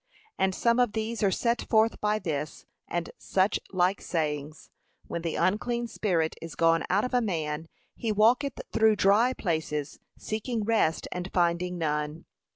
And some of these are set forth by this and such like sayings, 'When the unclean spirit is gone out of a man, he walketh through dry places, seeking rest, and finding none.